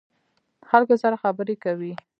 خلکو سره خبرې کوئ؟